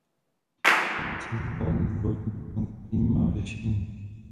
Jedná se o globální zdravotní problém, která má řešení.